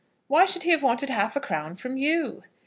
"Why should he have wanted half a crown from you?"